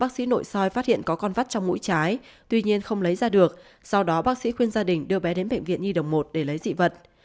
bác sĩ nội soi phát hiện có con vắt trong mũi trái tuy nhiên không lấy ra được sau đó bác sĩ khuyên gia đình đưa bé đến bệnh viện nhi đồng một để lấy dị vật